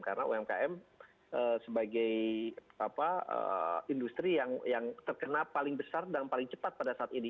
karena umkm sebagai apa industri yang terkena paling besar dan paling cepat pada saat ini